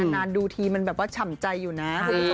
นานดูทีมันแบบว่าฉ่ำใจอยู่นะ